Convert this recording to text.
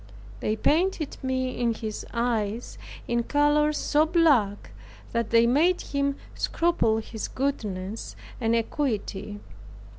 They painted me in his eyes, in colors so black, that they made him scruple his goodness and equity.